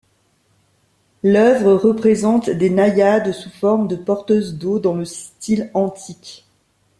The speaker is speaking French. L'œuvre représente des naïades sous forme de porteuses d'eau, dans le style antique.